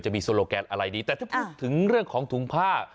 มีโซโลแกนอะไรดีแต่ถ้าพูดถึงเรื่องของถุงผ้า